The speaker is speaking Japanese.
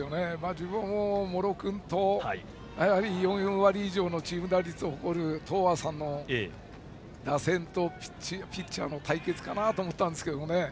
茂呂君と４割以上のチーム打率を誇る東亜さんの打線とピッチャーの対決かなと思ったんですけどね。